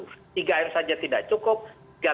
tiga m saja tidak cukup tiga t saja tidak cukup vaksinasi sudah